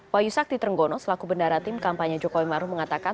wahyu sakti trenggono selaku bendahara tim kampanye joko widodo maruf mengatakan